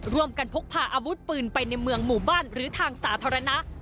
พกพาอาวุธปืนไปในเมืองหมู่บ้านหรือทางสาธารณะ